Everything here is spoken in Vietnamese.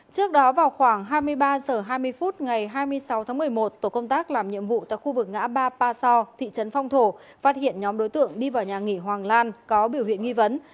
trước đó vào khoảng hai mươi ba h hai mươi phút ngày hai mươi sáu tháng một mươi một tổ công tác làm nhiệm vụ tại khu vực ngã ba ba so thị trấn phong thổ phát hiện nhóm đối tượng đi vào nhà nghỉ hoàng lan có biểu hiện nghi vấn